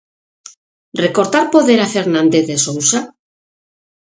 Recortar poder a Fernández de Sousa?